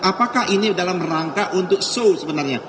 apakah ini dalam rangka untuk show sebenarnya